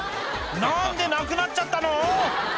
「何でなくなっちゃったの？」